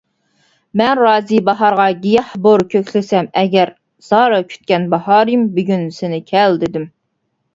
مەن رازى باھارغا گىياھ بور كۆكلىسەم ئەگەر، زار كۈتكەن باھارىم، بۈگۈن سېنى كەل دېدىم.